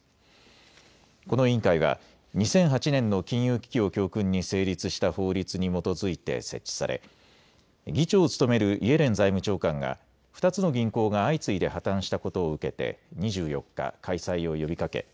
この委員会は２００８年の金融危機を教訓に成立した法律に基づいて設置され議長を務めるイエレン財務長官が２つの銀行が相次いで破綻したことを受けて２４日、開催を呼びかけ